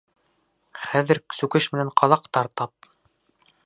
Хәҙер сүкеш менән ҡаҙаҡтар тап.